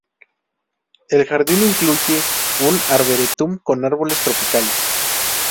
El jardín incluye un arboretum con árboles tropicales.